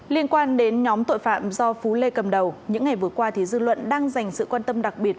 liên quan đến nhóm tội phạm do phú lê cầm đầu những ngày vừa qua dư luận đang dành sự quan tâm đặc biệt